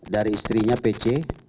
dari istrinya pc